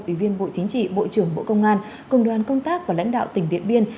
ủy viên bộ chính trị bộ trưởng bộ công an cùng đoàn công tác và lãnh đạo tỉnh điện biên